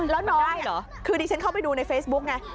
แล้วน้องคือดิฉันเข้าไปดูในเฟซบุ๊กไง